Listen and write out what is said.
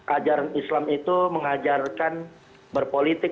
ajaran islam itu mengajarkan berpolitik